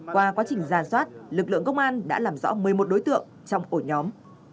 qua quá trình ra soát lực lượng công an đã làm rõ một mươi một đối tượng trong ổ nhóm